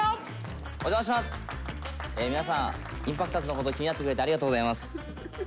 ＩＭＰＡＣＴｏｒｓのこと気になってくれてありがとうございます。